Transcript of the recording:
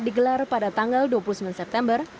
digelar pada tanggal dua puluh sembilan september